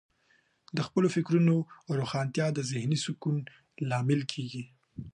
د خپلو فکرونو روښانتیا د ذهنې سکون لامل کیږي.